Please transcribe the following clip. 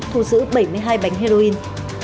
thu giữ bảy mươi hai bánh heroin